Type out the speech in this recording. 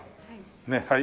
ねえはい。